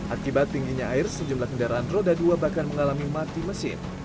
akibat tingginya air sejumlah kendaraan roda dua bahkan mengalami mati mesin